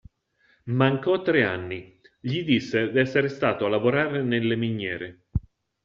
Mancò tre anni: gli disse d'essere stato a lavorare nelle miniere.